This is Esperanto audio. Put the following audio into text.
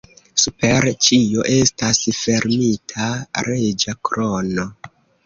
Super ĉio estas fermita reĝa krono.